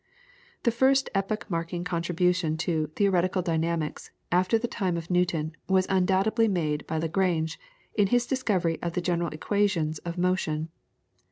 The first epoch marking contribution to Theoretical Dynamics after the time of Newton was undoubtedly made by Lagrange, in his discovery of the general equations of Motion.